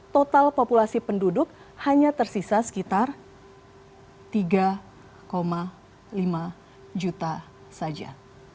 total populasi penduduk hanya tersisa sekitar tiga lima juta saja